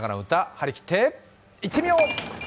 張り切っていってみよう。